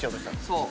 そう。